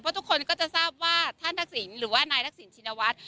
ทุกคนก็จะทราบว่าท่านทักษิณหรือว่านายทักษิณชินวัฒน์